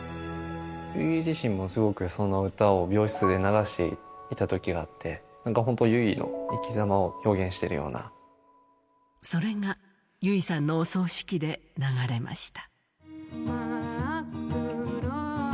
優生自身もすごくその歌を病室で流していたときがあって、本当、優生の生きざまを表現してそれが優生さんのお葬式で流れました。